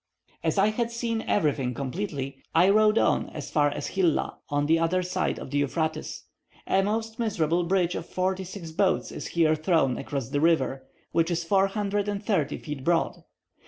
As I had seen everything completely, I rode on as far as Hilla, on the other side of the Euphrates. A most miserable bridge of forty six boats is here thrown across the river, which is four hundred and thirty feet broad.